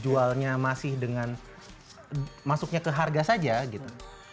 jualnya masih dengan masuknya ke harga saja gitu